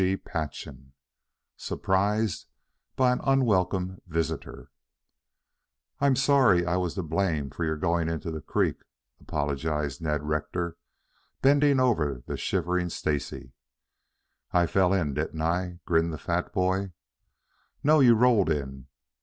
CHAPTER IV SURPRISED BY AN UNWELCOME VISITOR "I'm sorry I was to blame for your going into the creek," apologized Ned Rector, bending over the shivering Stacy. "I fell in, didn't I?" grinned the fat boy. "No, you rolled in.